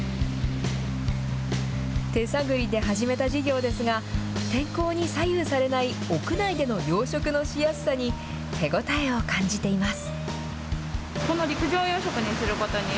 手探りで始めた事業ですが、天候に左右されない屋内での養殖のしやすさに、手応えを感じています。